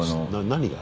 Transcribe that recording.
何が？